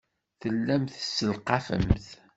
Tellamt tesselqafemt.